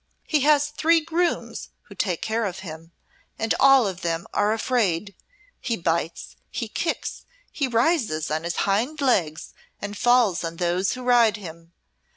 He has three grooms who take care of him, and all of them are afraid; he bites, he kicks, he rises on his hind legs and falls on those who ride him.